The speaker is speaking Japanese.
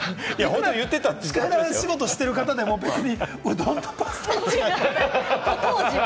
力仕事をしている方でも、うどんとパスタの違いは。